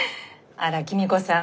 あら公子さん